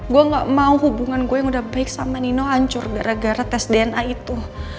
gue gak mau hubungan gue yang udah baik sama nino hancur gara gara tes dna itu